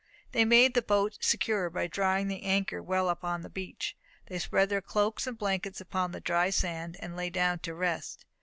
They made the boat secure by drawing the anchor well upon the beach. They spread their cloaks and blankets upon the dry sand, and lay down to rest.